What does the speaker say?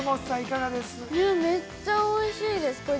◆めっちゃおいしいです。